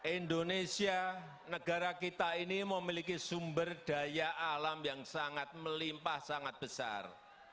indonesia negara kita ini memiliki sumber daya alam yang sangat melimpah sangat besar